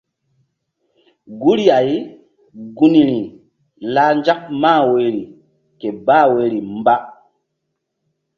Guri-ay gunri lah nzak mah woyri ke bah woyri mba.